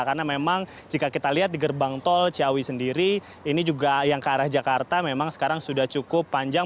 karena memang jika kita lihat di gerbang tol ciawi sendiri ini juga yang ke arah jakarta memang sekarang sudah cukup panjang